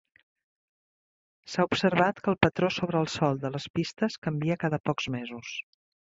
S'ha observat que el patró sobre el sòl de les pistes canvia cada pocs mesos.